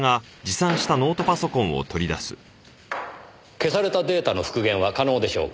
消されたデータの復元は可能でしょうか？